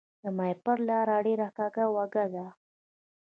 د ماهیپر لاره ډیره کږه وږه ده